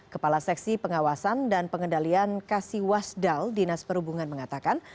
kepala seksi pengawasan dan pengendalian kasiwasdal dinas perhubungan mengatakan